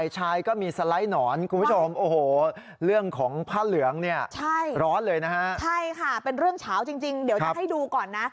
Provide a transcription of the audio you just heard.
ใช่ร้อนเลยนะฮะใช่ค่ะเป็นเรื่องเฉาจริงจริงเดี๋ยวจะให้ดูก่อนนะ